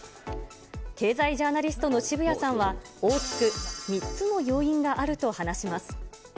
経済ジャーナリストの渋谷さんは、大きく３つの要因があると話します。